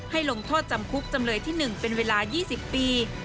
ลงโทษจำคุกจำเลยที่๑เป็นเวลา๒๐ปี